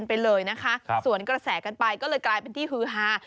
ไปเลยนะคะสวนกระแสกันไปก็เลยกลายเป็นที่ฮือฮา